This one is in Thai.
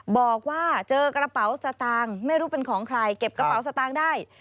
บอกว่าเจอกระเป๋าสตางค์ไม่รู้เป็นของใครเก็บกระเป๋าสตางค์ได้